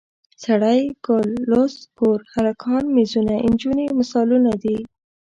سړی، ګل، لوست، کور، هلکان، میزونه، نجونې مثالونه دي.